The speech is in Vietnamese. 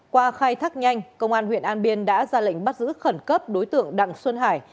qua khai thác nhanh công an huyện an biên đã ra lệnh bắt giữ khẩn cấp đối tượng đặng xuân hải